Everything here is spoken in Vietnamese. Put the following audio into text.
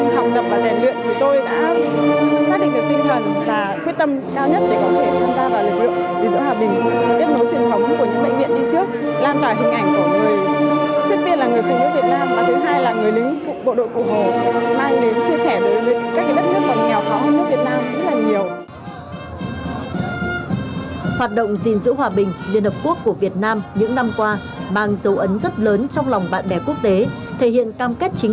qua một năm học tập và luyện luyện tôi đã xác định được tinh thần và quyết tâm cao nhất để có thể tham gia vào lực lượng giữa hạ bình